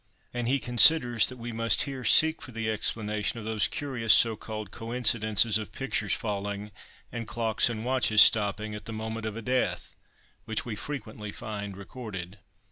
And he considers that we must here seek for the explanation of those curious so called coincidences of pictures falling, and clocks and watches stopping, at the moment of a death, which we frequently find recorded.